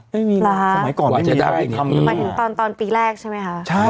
ถูกด้วยมั้ยคะ